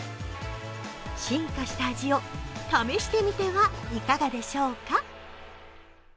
進化した味を試してみてはいかがでしょうか。